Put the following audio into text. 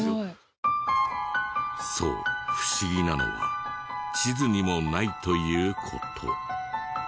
そう不思議なのは地図にもないという事。